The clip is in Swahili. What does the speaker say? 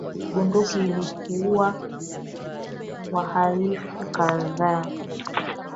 Bunduki iliwaua wahalifu kadhaa